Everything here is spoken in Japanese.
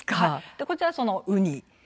こちらはそのウニ。